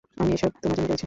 আমি এসব তোমার জন্য করেছি।